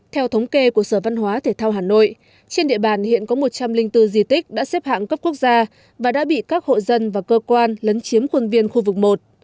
theo thống kê của sở văn hóa thể thao hà nội trên địa bàn hiện có một trăm linh bốn di tích đã xếp hạng cấp quốc gia và đã bị các hộ dân và cơ quan lấn chiếm khuôn viên khu vực một